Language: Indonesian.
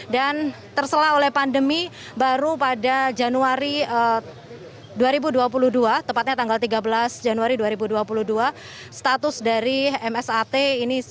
dan terselah oleh pandemi baru pada januari dua ribu dua puluh dua tepatnya tanggal tiga belas januari dua ribu dua puluh dua status dari msat ini